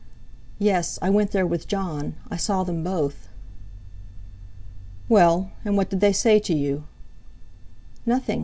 "Yes, I went there with Jon; I saw them both." "Well, and what did they say to you?" "Nothing.